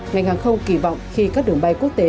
ngành hàng không kỳ vọng khi các đường bay quốc tế